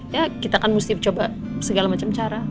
ya kita kan mesti coba segala macam cara